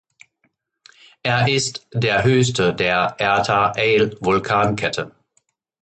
Er ist der höchste der Erta-Ale-Vulkankette.